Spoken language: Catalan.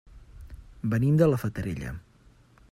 Venim de la Fatarella.